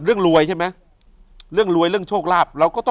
อยู่ที่แม่ศรีวิรัยิลครับ